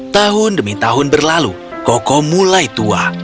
tahun demi tahun berlalu koko mulai tua